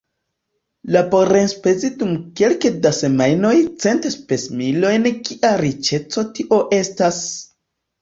Laborenspezi dum kelke da semajnoj cent spesmilojn kia riĉeco tio estas!